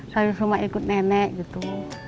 saya cuma ikut nenek gitu